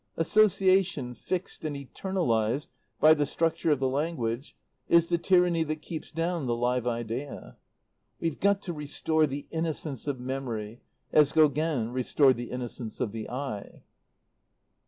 Association, fixed and eternalized by the structure of the language, is the tyranny that keeps down the live idea. "We've got to restore the innocence of memory, as Gauguin restored the innocence of the eye."